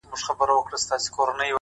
خوشحال په دې دى چي دا ستا خاوند دی ـ